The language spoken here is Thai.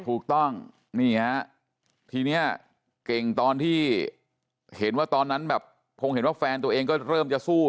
ถูกต้องนี่ฮะทีนี้เก่งตอนที่เห็นว่าตอนนั้นแบบคงเห็นว่าแฟนตัวเองก็เริ่มจะสู้